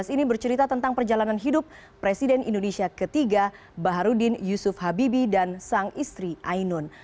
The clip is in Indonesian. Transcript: ini bercerita tentang perjalanan hidup presiden indonesia ketiga baharudin yusuf habibi dan sang istri ainun